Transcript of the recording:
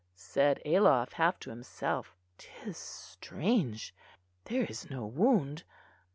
said Ayloff, half to himself; "'tis strange, there is no wound."